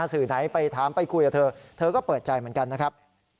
สื่อไหนไปถามไปคุยกับเธอเธอก็เปิดใจเหมือนกันนะครับ